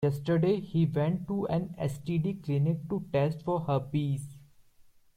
Yesterday, he went to an STD clinic to test for herpes.